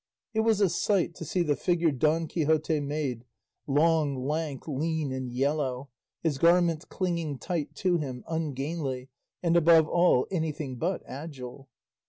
It was a sight to see the figure Don Quixote made, long, lank, lean, and yellow, his garments clinging tight to him, ungainly, and above all anything but agile.